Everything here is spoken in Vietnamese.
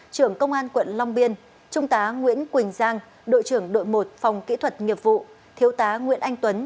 trưởng công an quận long biên trung tá nguyễn quỳnh giang đội trưởng đội một phòng kỹ thuật nghiệp vụ thiếu tá nguyễn anh tuấn